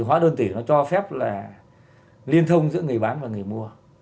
hóa đơn tử nó cho phép liên thông giữa người bán và người mua